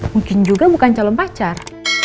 mungkin juga bukan calon pacar